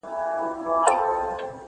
امیر نه سوای اورېدلای تش عرضونه!